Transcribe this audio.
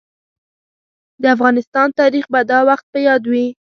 د افغانستان تاريخ به دا وخت په ياد وي.